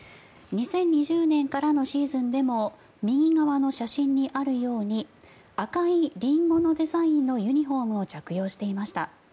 ２０２０年からのシーズンでも右側の写真にあるように赤いリンゴのデザインのユニホームを着用していました。